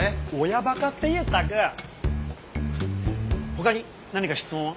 他に何か質問は？